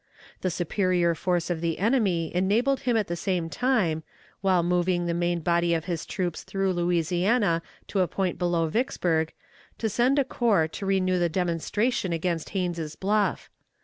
The superior force of the enemy enabled him at the same time, while moving the main body of his troops through Louisiana to a point below Vicksburg, to send a corps to renew the demonstration against Haines's Bluff.